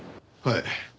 はい。